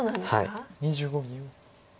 はい。